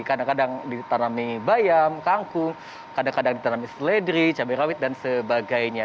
kadang kadang ditanami bayam kangkung kadang kadang ditanami seledri cabai rawit dan sebagainya